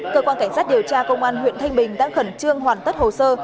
cơ quan cảnh sát điều tra công an huyện thanh bình đã khẩn trương hoàn tất hồ sơ